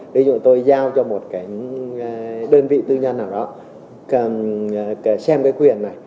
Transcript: ví dụ tôi giao cho một đơn vị tư nhân nào đó xem quyền này